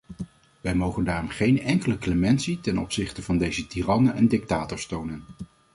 Wij mogen daarom geen enkele clementie ten opzicht van deze tirannen en dictators tonen.